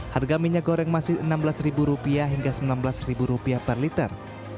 harga minyak goreng masih rp enam belas hingga rp sembilan belas per liter